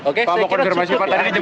oke saya kirim cukup ya